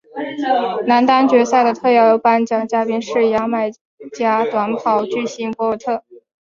男单决赛的特邀颁奖嘉宾是牙买加短跑巨星博尔特。